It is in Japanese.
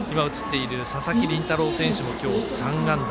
佐々木麟太郎選手も今日、３安打。